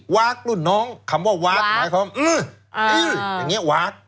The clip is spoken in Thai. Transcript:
วากรุ่นน้องคำว่าวากหมายความอื้ออื้ออย่างนี้วาก